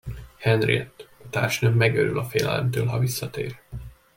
Henriette, a társnőm megőrül a félelemtől, ha visszatér.